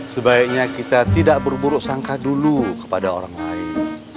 sebaiknya kita tidak berburuk sangka dulu kepada orang lain